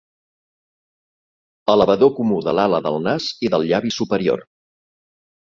Elevador comú de l'ala del nas i del llavi superior.